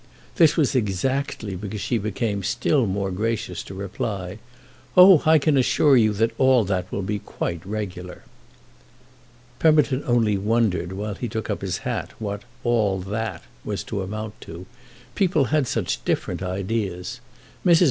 This was exactly because she became still more gracious to reply: "Oh I can assure you that all that will be quite regular." Pemberton only wondered, while he took up his hat, what "all that" was to amount to—people had such different ideas. Mrs.